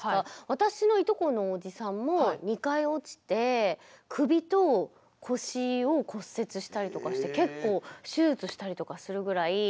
私のいとこのおじさんも２回落ちて首と腰を骨折したりとかして結構手術したりとかするぐらい。